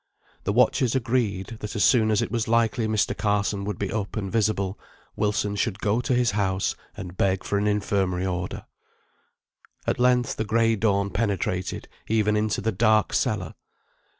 The watchers agreed, that as soon as it was likely Mr. Carson would be up and visible, Wilson should go to his house, and beg for an Infirmary order. At length the gray dawn penetrated even into the dark cellar.